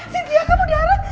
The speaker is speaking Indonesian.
sintia kamu darah